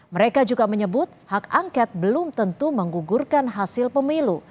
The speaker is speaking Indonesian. mereka juga menyebut hak angket belum tentu menggugurkan hasil pemilu